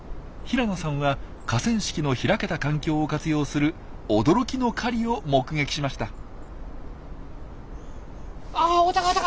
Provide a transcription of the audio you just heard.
平野さんは河川敷の開けた環境を活用する驚きの狩りを目撃しました。